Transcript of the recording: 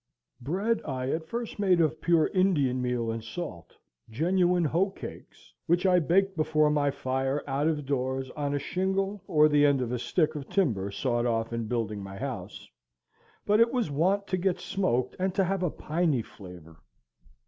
Bread I at first made of pure Indian meal and salt, genuine hoe cakes, which I baked before my fire out of doors on a shingle or the end of a stick of timber sawed off in building my house; but it was wont to get smoked and to have a piny flavor.